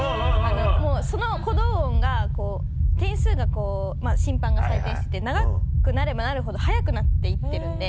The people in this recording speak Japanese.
その鼓動音が点数がこう審判が採点してて長くなればなるほど速くなって行ってるんで。